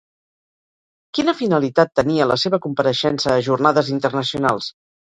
Quina finalitat tenia la seva compareixença a jornades internacionals?